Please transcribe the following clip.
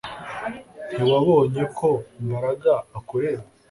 Ntiwabonye ko Mbaraga akureba